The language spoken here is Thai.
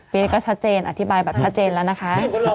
เรียนก็ชัดเจนอธิบายแบบชัดเจนแล้วนะคะ